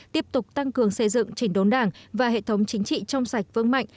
tiếp tục tăng cường xây dựng chỉnh đốn đảng và hệ thống chính trị trong sạch vững mạnh